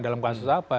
dalam kasus apa